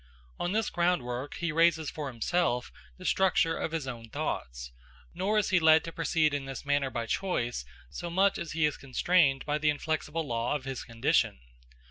On this groundwork he raises for himself the structure of his own thoughts; nor is he led to proceed in this manner by choice so much as he is constrained by the inflexible law of his condition.